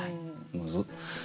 むずっ。